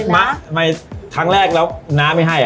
ขอค่ะไม่ครั้งแรกแล้วน้าไม่ให้อ่ะครับ